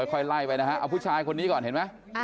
นี่ค่ะค่อยไล่ไปนะอ่าพูดชายคนนี้ก่อนเห็นไหม